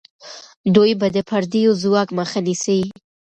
دوی به د پردیو ځواک مخه نیسي.